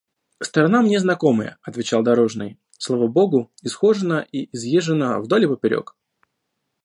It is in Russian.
– Сторона мне знакомая, – отвечал дорожный, – слава богу, исхожена и изъезжена вдоль и поперек.